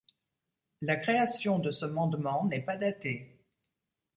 La création de ce mandement n'est pas datée.